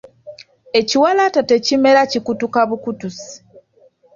Ekiwalaata tekimera kikutuka bukutusi.